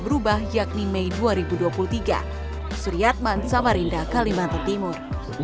berubah yakni mei dua ribu dua puluh tiga suryatman samarinda kalimantan timur